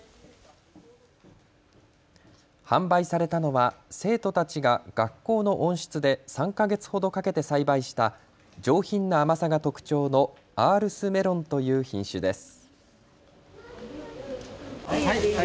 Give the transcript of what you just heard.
販売されたのは生徒たちが学校の温室で３か月ほどかけて栽培した上品な甘さが特徴のアールスメロンという品種です。